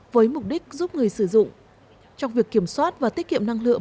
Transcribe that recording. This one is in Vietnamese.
với mục đích giúp người sử dụng trong việc kiểm soát và tiết kiệm năng lượng